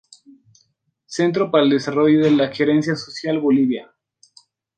Centro para el desarrollo de la Gerencia Social, Bolivia.